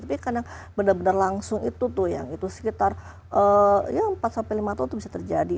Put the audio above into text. tapi kadang benar benar langsung itu tuh yang itu sekitar empat sampai lima tahun tuh bisa terjadi